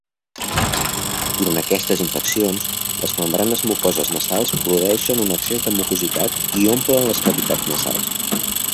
Durant aquestes infeccions, les membranes mucoses nasals produeixen un excés de mucositat i omplen les cavitats nasals.